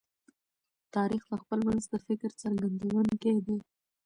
تاریخ د خپل ولس د فکر څرګندونکی دی.